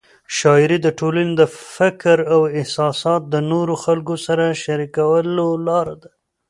شاعري د ټولنې د فکر او احساسات د نورو خلکو سره شریکولو لار ده.